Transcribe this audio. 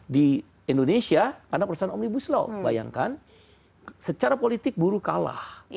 di indonesia karena perusahaan omnibus law bayangkan secara politik buruh kalah